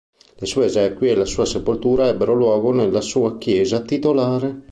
Le sue esequie e la sua sepoltura ebbero luogo nella sua chiesa titolare.